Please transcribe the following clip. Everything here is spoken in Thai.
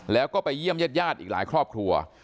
แล้วก็ไปเยี่ยมญาติอีกหลายครอบครัว